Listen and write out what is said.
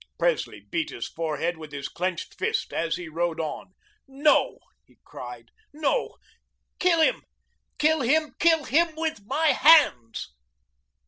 Presley beat his forehead with his clenched fist as he rode on. "No," he cried, "no, kill him, kill him, kill him with my hands."